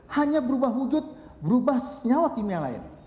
hanya berubah wujud berubah senyawa kimia lain